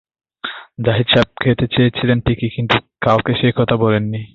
জাহিদ সাহেব খেতে চেয়েছিলেন ঠিকই, কিন্তু কাউকে সে-কথা বলেন নি।